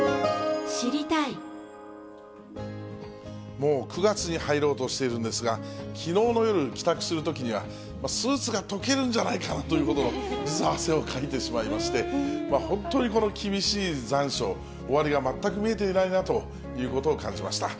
もう９月に入ろうとしてるんですが、きのうの夜、帰宅するときには、スーツがとけるんじゃないかなというほど、実は汗をかいてしまいまして、本当にこの厳しい残暑、終わりが全く見えていないなということを感じました。